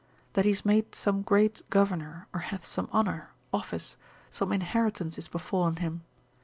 That he is made some great governor, or hath some honour, office, some inheritance is befallen him.